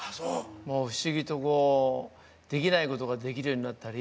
もう不思議とこうできないことができるようになったり。